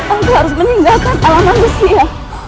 aku harus meninggalkan alam manusia